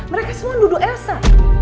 mereka semua nuduh elsa